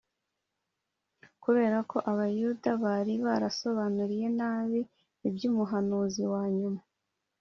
Kubera ko Abayuda bari barasobanuye nabi iby’umuhanuzi wa nyuma